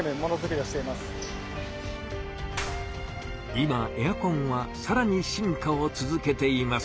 今エアコンはさらに進化を続けています。